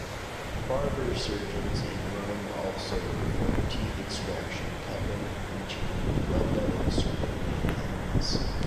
"Barber surgeons" in Rome also performed teeth extraction, cupping, leeching, bloodletting, surgery and enemas.